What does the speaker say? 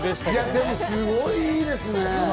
でも、すごいいいですね。